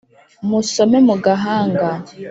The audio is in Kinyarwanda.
musome mu gahanga